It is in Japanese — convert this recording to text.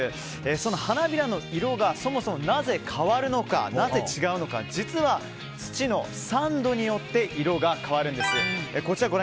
その花びらの色が、そもそもなぜ変わるのか、なぜ違うのか実は、土の酸度によって色が変わるんです。